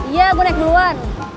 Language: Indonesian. iya gue naik duluan